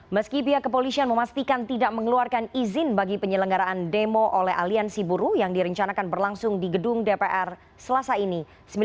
meski pihak kepolisian memastikan tidak mengeluarkan izin bagi penyelenggaraan demo oleh aliansi buruh yang direncanakan berlangsung di gedung dpr selasa ini